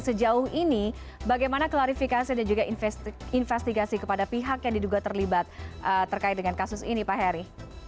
sejauh ini bagaimana klarifikasi dan juga investigasi kepada pihak yang diduga terlibat terkait dengan kasus ini pak heri